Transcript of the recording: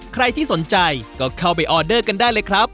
ใครที่สนใจก็เข้าไปออเดอร์กันได้เลยครับ